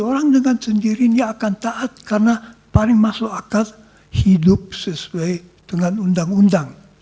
orang dengan sendiri dia akan taat karena paling masuk akal hidup sesuai dengan undang undang